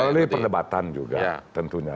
melalui perdebatan juga tentunya